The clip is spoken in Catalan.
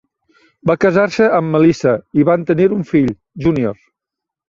Va casar-se amb Melissa i van tenir un fill, Junior.